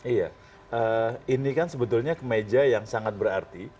iya ini kan sebetulnya kemeja yang sangat berarti